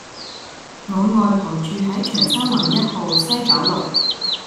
我外婆住喺長沙灣一號·西九龍